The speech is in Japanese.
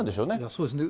そうですね。